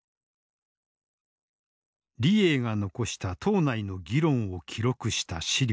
李鋭が残した党内の議論を記録した史料。